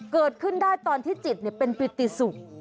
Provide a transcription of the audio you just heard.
เกิดขึ้นได้ตอนที่จิตเป็นปิติสุข